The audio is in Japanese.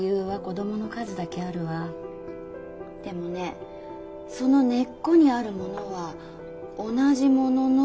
でもねその根っこにあるものは同じものの気がする。